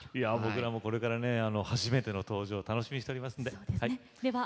僕らもこれからね初めての登場楽しみにしておりますんで。